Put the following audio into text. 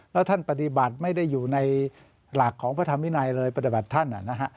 แล้วท่านปฏิบัติไม่ได้อยู่ในหลักของพระธรรมวินัยเลยปฏิบัติท่าน